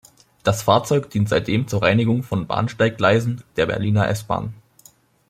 Das Fahrzeug dient seitdem zur Reinigung von Bahnsteiggleisen der Berliner S-Bahn.